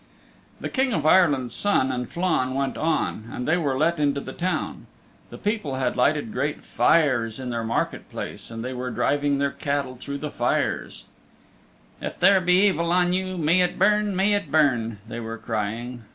The King of Ireland's Son and Flann went on, and they were let into the town. The people had lighted great fires in their market place and they were driving their cattle through the fires: "If there be evil on you, may it burn, may it burn," they were crying.